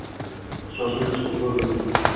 Shoshilinch tug`dirdim